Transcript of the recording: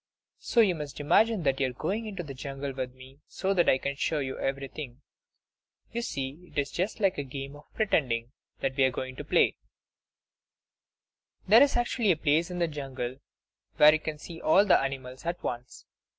So you must imagine that you are going into the jungle with me, so that I can show you everything. You see, it is just like a game of pretending, that we are going to play. There is actually a place in the jungle where you can see all the animals at once.